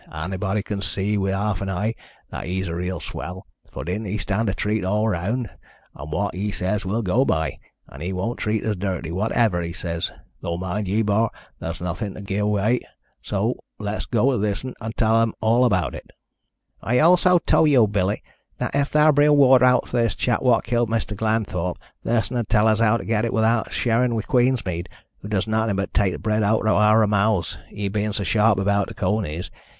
Annybody can see wi' half an eye that he's a real swell, for didn't he stand treat all round an' wot he says we'll go by, and 'e won't treat us dirty, whatever he says, though, mind ye, bor, there's narthin' to gi' away. So let's go to thissun, an' tell un all about it.'" "I also tol' yow, Billy, that if thar be a reward out for this chap wot killed Mr. Glenthorpe, thissun 'ud tell us how to get it without sharin' wi' Queensmead, who does narthin' but take th' bread owt o' ower mouths, he bein' so sharp about th' conies.